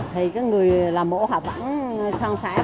thì người làm bộ họ vẫn sang sáng